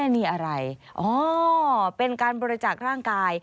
นี่อะไรอ๋อเป็นการบริจาคร่างกาย